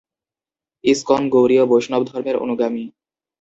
ISKCON গৌড়ীয় বৈষ্ণবধর্মের অনুগামী।